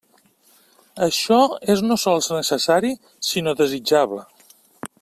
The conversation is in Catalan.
Això és no sols necessari, sinó desitjable.